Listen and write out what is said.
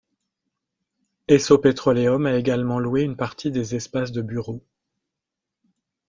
Esso Petroleum a également loué une partie des espaces de bureau.